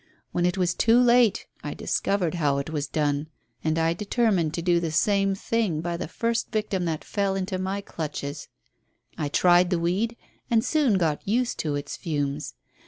When it was too late I discovered how it was done, and determined to do the same thing by the first victim that fell into my clutches. I tried the weed and soon got used to its fumes.